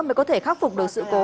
mới có thể khắc phục được sự cố